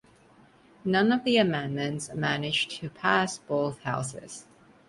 None of the amendments managed to pass both houses.